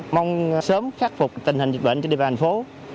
mong sớm khắc phục tình hình dịch bệnh trên địa bàn thành phố